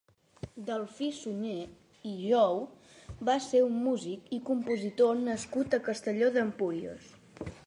Delfí Suñer i Jou va ser un músic i compositor nascut a Castelló d'Empúries.